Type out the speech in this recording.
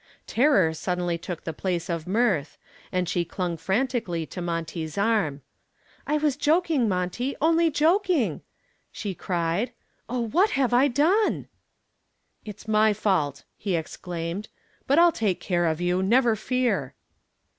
Terror suddenly took the place of mirth, and she clung frantically to Monty's arm. "I was joking, Monty, only joking," she cried. "Oh, what have I done?" "It's my fault," he exclaimed, "but I'll take care of you, never fear."